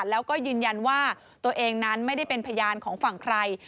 แล้วก็ยืนยันว่าตัวเองนั้นไม่ได้เป็นพยานของฝั่งใคร